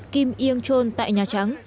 kim yong chol tại nhà trắng